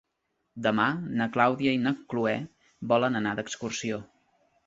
Demà na Clàudia i na Cloè volen anar d'excursió.